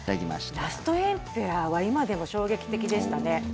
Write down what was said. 「ラストエンペラー」は今でも衝撃的でしたね。